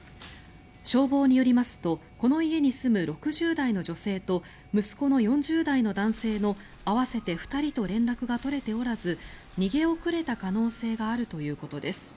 消防によりますとこの家に住む６０代の女性と息子の４０代の男性の合わせて２人と連絡が取れておらず逃げ遅れた可能性があるということです。